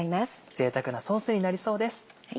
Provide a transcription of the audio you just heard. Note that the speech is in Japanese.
ぜいたくなソースになりそうです。